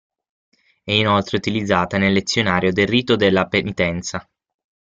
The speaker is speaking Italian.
È inoltre utilizzata nel lezionario del rito della penitenza.